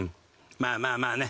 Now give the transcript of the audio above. まあまあまあね。